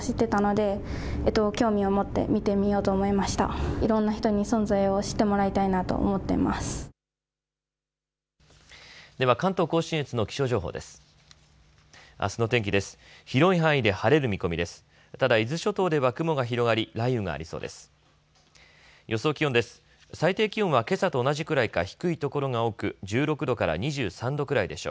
ただ伊豆諸島では雲が広がり雷雨がありそうです。